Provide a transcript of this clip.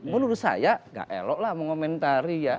menurut saya gak elok lah mengomentari ya